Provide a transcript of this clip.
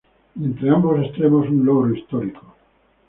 Y entre ambos extremos, un logro histórico.